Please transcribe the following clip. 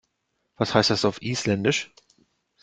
Was heißt das auf Isländisch?